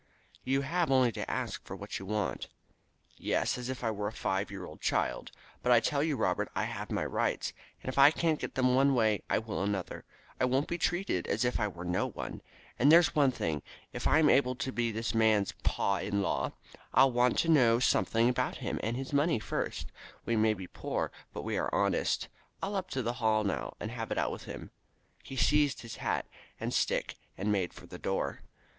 "You have only to ask for what you want." "Yes, as if I were a five year old child. But I tell you, Robert, I'll have my rights, and if I can't get them one way I will another. I won't be treated as if I were no one. And there's one thing: if I am to be this man's pa in law, I'll want to know something about him and his money first. We may be poor, but we are honest. I'll up to the Hall now, and have it out with him." He seized his hat and stick and made for the door.